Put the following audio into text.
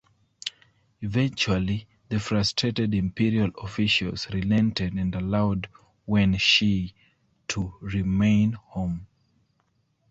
Eventually, the frustrated imperial officials relented and allowed Wen Shi to remain home.